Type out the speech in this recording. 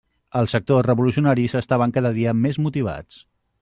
Els sectors revolucionaris estaven cada dia més motivats.